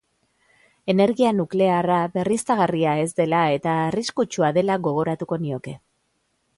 Energia nuklearra berriztagarria ez dela eta arriskutsua dela gogoratuko nioke.